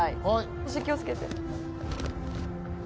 腰気を付けて。